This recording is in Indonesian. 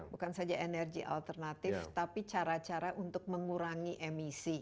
bukan saja energi alternatif tapi cara cara untuk mengurangi emisi